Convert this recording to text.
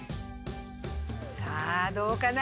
さあどうかな？